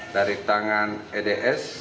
dari tangan eds